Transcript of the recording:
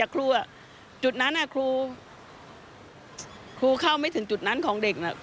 ครูเข้าไม่ถึงจุดนั้นของเด็กน่ะ